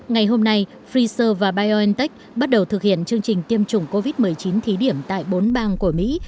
ngày hôm nay pfizer và biontech bắt đầu thực hiện chương trình tiêm chủng covid một mươi chín thí điểm tại bốn bang của mỹ